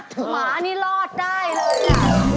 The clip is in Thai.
หมานี่รอดได้เลยนะ